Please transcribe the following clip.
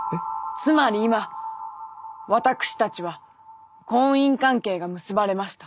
つまり今私たちは婚姻関係が結ばれました。